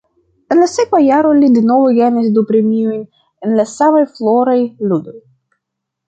En la sekva jaro li denove gajnas du premiojn en la samaj Floraj Ludoj.